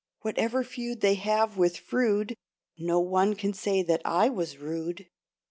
Whatever feud they have with Froude, No one can say that I was rude.